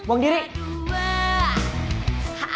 nih buangin layarnya